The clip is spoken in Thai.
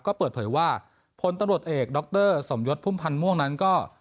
ก็เปิดเผยว่าพลตำรวจเอกดรสมยศพุ่มพันธ์ม่วงนั้นก็